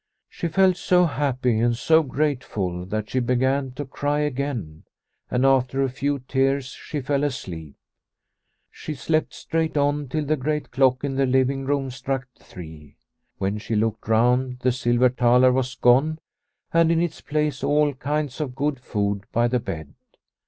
She felt so happy and so grateful that she began to cry again, and after a few tears she fell asleep. She slept straight on till the great clock in the living room struck three. When she looked round, the silver thaler was gone, and in its place all kinds of good food by the bed.